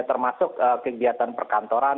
termasuk kegiatan perkantoran